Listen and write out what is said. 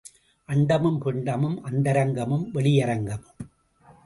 அண்டமும் பிண்டமும் அந்தரங்கமும் வெளியரங்கமும்.